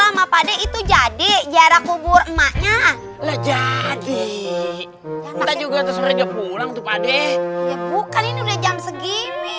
sama pade itu jadi jarak kubur emaknya jadi juga pulang tuh pade bukan ini udah jam segini